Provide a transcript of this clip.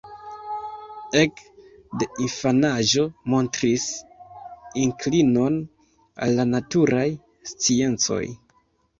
Ek de infanaĝo montris inklinon al la naturaj sciencoj.